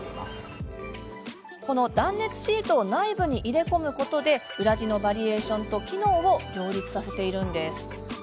断熱シートを内部に入れ込むことで裏地のバリエーションと機能を両立させています。